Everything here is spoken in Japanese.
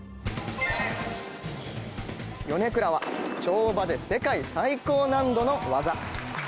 ヨネクラは跳馬で世界最高難度の技。